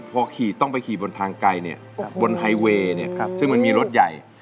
พอขี่ต้องไปขี่บนทางไกลบนไฮเวย์ซึ่งมันมีรถใหญ่